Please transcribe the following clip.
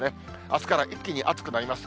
あすから一気に暑くなります。